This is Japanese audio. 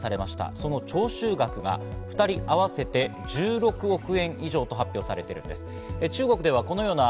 その徴収額が２人合わせて１６億円以上と発表されています。